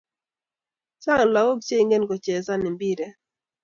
Chang lakok che ingen kochezan mpiret